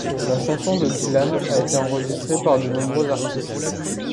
La chanson de Dylan a été enregistrée par de nombreux artistes.